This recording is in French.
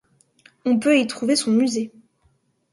On peut y trouver son musée.